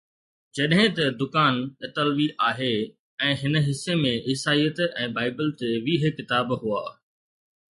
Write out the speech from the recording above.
جڏهن ته دڪان اطالوي آهي ۽ هن حصي ۾ عيسائيت ۽ بائيبل تي ويهه ڪتاب هئا